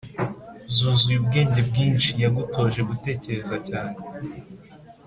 zuzuye ubwenge bwinshi yagutoje gutekereza cyane